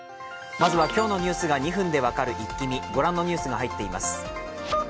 まずは今日のニュースが２分で分かるイッキ見ご覧のニュースが入っています。